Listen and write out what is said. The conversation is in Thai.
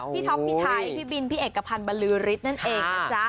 พี่ท๊อกพี่ไทยพี่บินพี่เอกกระพันธุ์บรรลือริสต์นั่นเอง